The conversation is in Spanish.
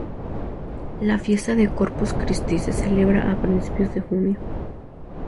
La fiesta del Corpus Christi se celebra a principios de junio.